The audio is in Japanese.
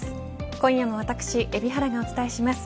今夜も私海老原がお伝えします。